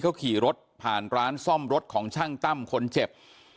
เขาขี่รถผ่านร้านซ่อมรถของช่างตั้มคนเจ็บ